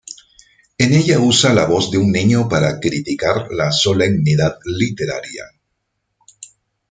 En ella usa la voz de un niño para criticar la solemnidad literaria.